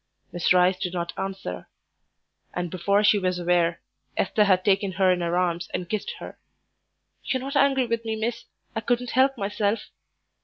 Miss Rice did not answer, and before she was aware, Esther had taken her in her arms and kissed her. "You're not angry with me, miss; I couldn't help myself."